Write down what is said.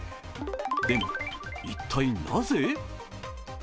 でも一体なぜ？